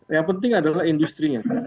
yang penting adalah industri nya